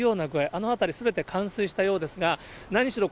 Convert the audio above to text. あの辺り、すべて冠水したようですが、何しろ